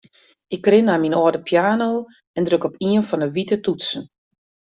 Ik rin nei myn âlde piano en druk op ien fan 'e wite toetsen.